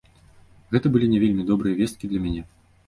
Гэта былі не вельмі добрыя весткі для мяне.